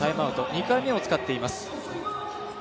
２回目を使っています。